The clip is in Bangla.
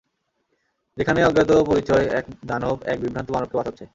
যেখানে অজ্ঞাত পরিচয় এক দানব এক বিভ্রান্ত মানবকে বাঁচাচ্ছে।